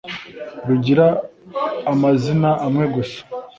rugira amazina amwe gusa